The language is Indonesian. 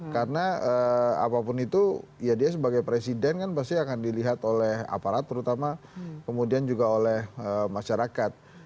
karena apapun itu ya dia sebagai presiden kan pasti akan dilihat oleh aparat terutama kemudian juga oleh masyarakat